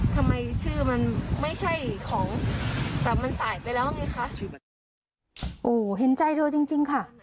ทำไมชื่อมันไม่ใช่ของแต่มันตายไปแล้วไงคะชื่อมันโอ้เห็นใจเธอจริงจริงค่ะ